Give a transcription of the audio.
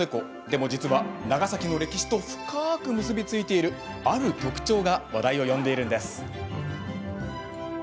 でも実は、長崎の歴史と深く結び付いているある特徴が話題を呼んでいるんです。